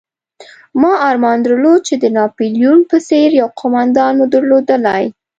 ما ارمان درلود چې د ناپلیون په څېر یو قومندان مو درلودلای.